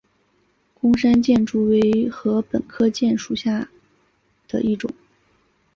贡山箭竹为禾本科箭竹属下的一个种。